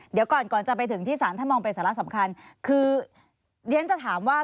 เดี๋ยวก่อนถ้าถ้ามองเป็นสารทางสำคัญ